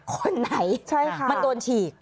คนไหนมันโดนฉีก